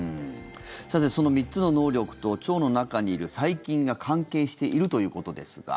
さて、その３つの能力と腸の中にいる細菌が関係しているということですが。